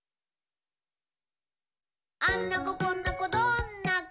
「あんな子こんな子どんな子？